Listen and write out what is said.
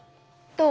どう？